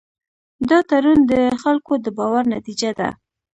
دا تړون د خلکو د باور نتیجه ده.